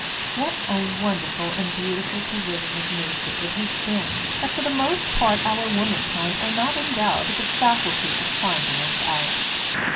What a wonderful and beautiful provision of nature it has been that, for the most part, our womankind are not endowed with the faculty of finding us out!